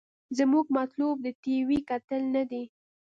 زمونګه مطلوب د ټي وي کتل نه دې.